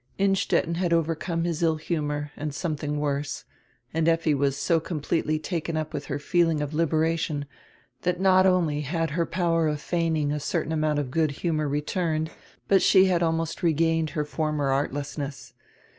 Innstetten had overcome his ill humor and some thing worse, and Effi was so completely taken up with her feeling of liberation that not only had her power of feign ing a certain amount of good humor returned, but she had almost regained her former artlessness.